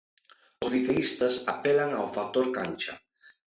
Os liceístas apelan ao factor cancha.